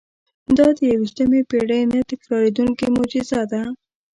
دا د یوویشتمې پېړۍ نه تکرارېدونکې معجزه ده.